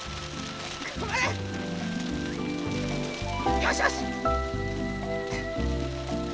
よしよし！